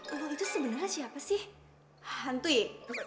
lo itu sebenernya siapa sih hantu ya